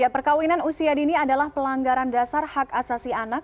perkawinan usia dini adalah pelanggaran dasar hak asasi anak